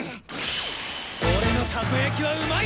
俺のたこやきはうまい！